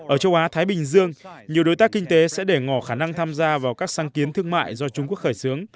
ở châu á thái bình dương nhiều đối tác kinh tế sẽ để ngỏ khả năng tham gia vào các sáng kiến thương mại do trung quốc khởi xướng